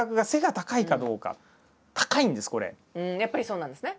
まずやっぱりそうなんですね。